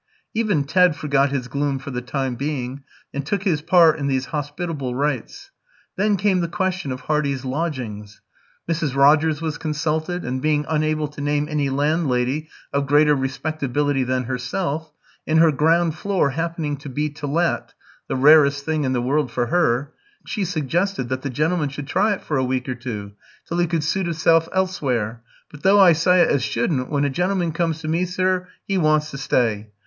Even Ted forgot his gloom for the time being, and took his part in these hospitable rites. Then came the question of Hardy's lodgings. Mrs. Rogers was consulted, and, being unable to name any landlady of greater respectability than herself, and her ground floor happening to be to let the rarest thing in the world for her she suggested that "the gentleman should try it for a week or two, till 'e could suit 'isself elsewhere. But, though I sy it as shouldn't, when a gentleman comes to me, sir, 'e wants to sty.